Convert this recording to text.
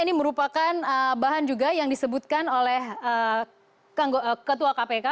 ini merupakan bahan juga yang disebutkan oleh ketua kpk